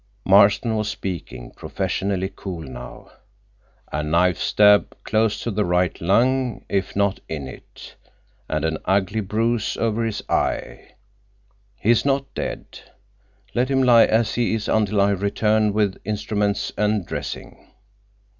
Marston was speaking, professionally cool now. "A knife stab, close to the right lung, if not in it. And an ugly bruise over his eye. He is not dead. Let him lie as he is until I return with instruments and dressing."